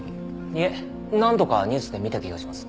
いえ何度かニュースで見た気がします。